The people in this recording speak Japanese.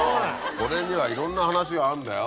これにはいろんな話があるんだよ。